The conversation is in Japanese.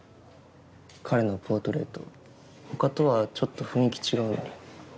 彼のポートレートほかとはちょっと雰囲気違うのに。